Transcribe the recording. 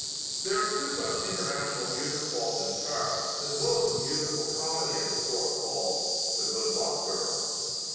There are two such international music halls in Paris as well as a musical comedy of a sort called "The Good Luck Girl."